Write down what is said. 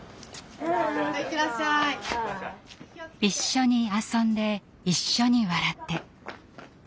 一緒に遊んで一緒に笑って。